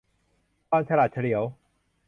ความฉลาดเฉลียว